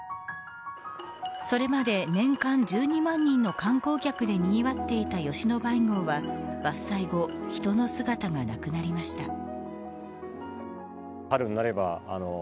それまで年間１２万人の観光客でにぎわっていた吉野梅郷は伐採後、人の姿がなくなりました。